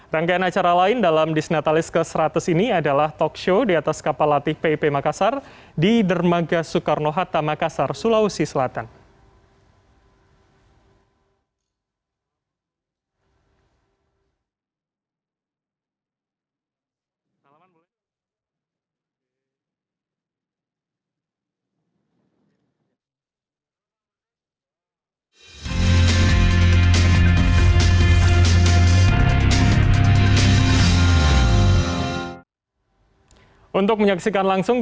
rangkaian acara lain dalam disnatalis ke seratus ini adalah talk show di atas kapal latih pip makassar di dermaga soekarno hatta makassar sulawesi selatan